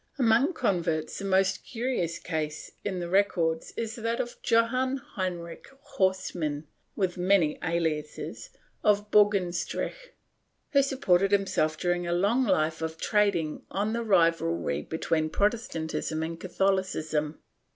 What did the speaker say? Among converts the most curious case in the records is that of Joh. Heinrich Horstmann — with many aliases — of Borgenstreich, who supported himself during a long life by trading on the rivalry between Protestantism and Catholicism.